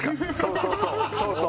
そうそうそう。